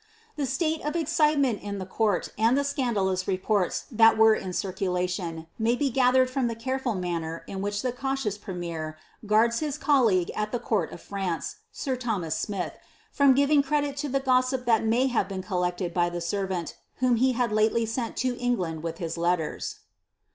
The state of excitement in the court and the scandalous reports that were in circulation, may be gathered from the careful manner in which the cautious premier guards his colleague at the court of France, sir Thomas Smith, from giving credit to the gossip that may have been col lected by the servant, whom he had lately sent to England with his letters.